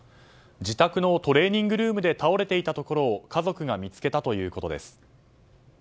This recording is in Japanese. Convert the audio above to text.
自宅のトレーニングルームで倒れていたところを家族が見つけたということです。